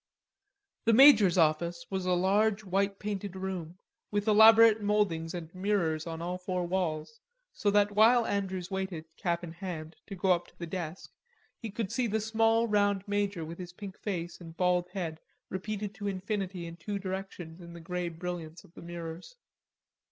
The major's office was a large white painted room, with elaborate mouldings and mirrors in all four walls, so that while Andrews waited, cap in hand, to go up to the desk, he could see the small round major with his pink face and bald head repeated to infinity in two directions in the grey brilliance of the mirrors.